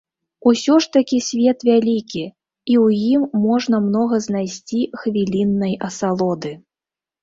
Усё ж такі свет вялікі, і ў ім можна многа знайсці хвіліннай асалоды.